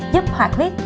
giúp hoạt huyết